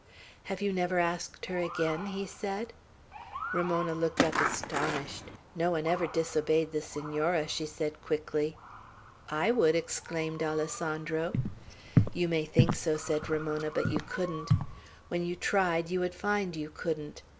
"Have you never asked her again?" he said. Ramona looked up astonished. "No one ever disobeyed the Senora," she said quickly. "I would!" exclaimed Alessandro. "You may think so," said Ramona, "but you couldn't. When you tried, you would find you couldn't.